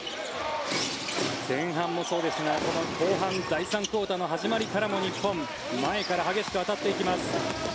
前半もそうでしたが後半、第３クオーターの始まりからも日本、前から激しく当たっていきます。